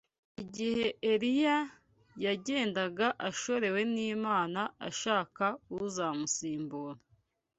Igihe Eliya yagendaga ashorewe n’Imana ashaka uzamusimbura